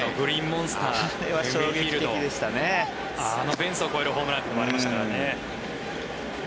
フェンスを越えるホームランもありましたね。